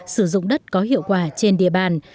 sử dụng đất có hiệu quả trên địa bàn